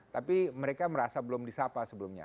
tapi mereka merasa belum disapa sebelumnya